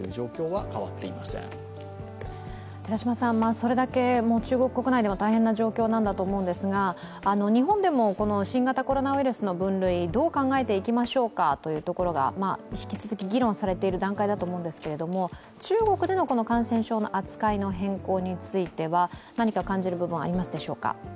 それだけ中国国内では大変な状況なんだと思うんですが、日本でもこの新型コロナウイルスの分類どう考えていきましょうかというところが引き続き議論されている段階だと思うんですが中国での感染症の扱いの変更については、何か感じる部分はありますでしょうか。